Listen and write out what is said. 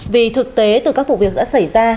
vì thực tế từ các vụ việc đã xảy ra